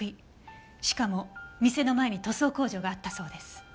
しかも店の前に塗装工場があったそうです。